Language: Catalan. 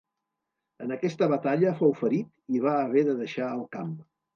En aquesta batalla fou ferit i va haver de deixar el camp.